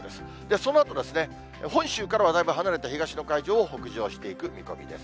そのあと、本州からはだいぶ離れた東の海上を北上していく見込みです。